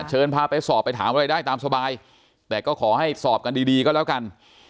เชิญพาไปสอบไปถามอะไรได้ตามสบายแต่ก็ขอให้สอบกันดีดีก็แล้วกัน